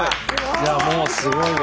いやもうすごいわ！